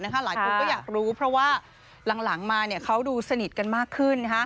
หลายคนก็อยากรู้เพราะว่าหลังมาเขาดูสนิทกันมากขึ้น